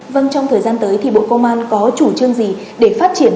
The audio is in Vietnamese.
vâng trong thời gian tới thì bộ công an có chủ trương gì để phát triển